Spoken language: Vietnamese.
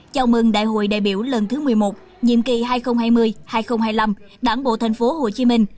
chào mừng đại hội đại biểu lần thứ một mươi một nhiệm kỳ hai nghìn hai mươi hai nghìn hai mươi năm đảng bộ thành phố hồ chí minh